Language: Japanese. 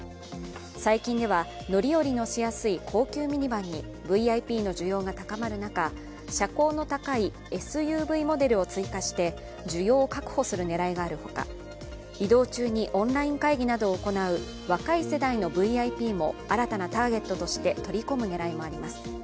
最近では乗り降りのしやすい高級ミニバンにＶＩＰの需要が高まる中車高の高いＳＵＶモデルを追加して需要を確保する狙いがあるほか、移動中にオンライン会議などを行う若い世代のＶＩＰも新たなターゲットとして取り込む狙いもあります。